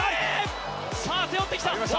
背負ってきた！